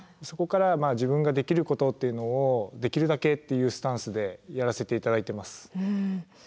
そこから自分ができることっていうのをできるだけっていうスタンスでやらせて頂いてます。